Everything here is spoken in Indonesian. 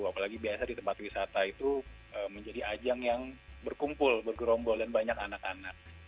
apalagi biasa di tempat wisata itu menjadi ajang yang berkumpul bergerombol dan banyak anak anak